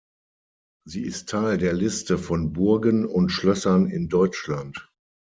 Sie ist Teil der Liste von Burgen und Schlössern in Deutschland.